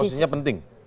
tapi posisinya penting